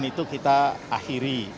dan itu kita akhiri